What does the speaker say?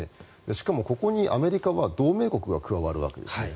しかもここにアメリカは同盟国が加わるわけですね。